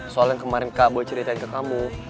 soalnya kemarin kak boy ceritain ke kamu